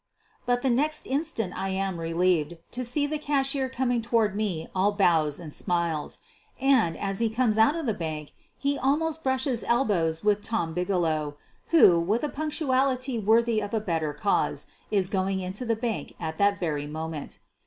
But, the next instant, I am relieved to see the cashier coming toward me all bows and smiles. And, as he comes out of the bank he almost brushes el bows with Tom Bigelow, who, with a punctuality worthy of a better cause, is going into the bank at that very moment.